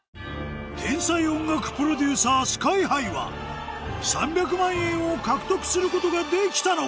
天才音楽プロデューサーＳＫＹ−ＨＩは３００万円を獲得することができたのか？